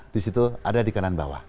disitu ada di kanan bawah